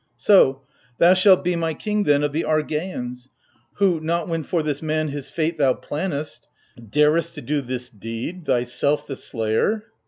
So — thou shalt be my king then of the Argeians — Who, not when for this man his fate thou plannedst, Daredst to do this deed — thyself the slayer